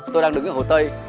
tôi đang đứng ở hồ tây